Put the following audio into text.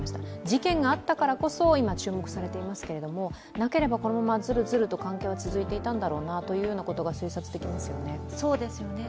事件があったからこそ今、注目されていますけれども、なければこのままずるずると関係は続いていたんだろうなというようなことが推察できますよね。